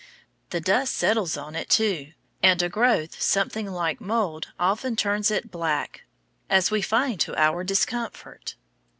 The dust settles on it, too and a growth something like mould often turns it black as we find to our discomfort.